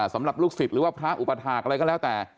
สำหรับลูกศิษย์หรือว่าพระอุปถาคอะไรก็แล้วแต่